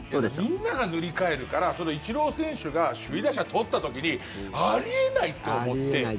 みんなが塗り替えるからイチロー選手が首位打者取った時にあり得ないって思って。